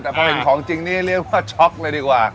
แต่พอเห็นของจริงนี่เรียกว่าช็อกเลยดีกว่า